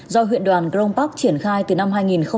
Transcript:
do huyện đoàn crong park triển khai từ năm hai nghìn một mươi ba